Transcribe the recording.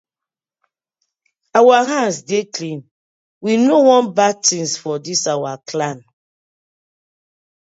Our hands dey clean, we no wan bad tinz for dis our clan.